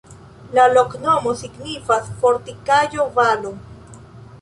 La loknomo signifas: fortikaĵo-valo.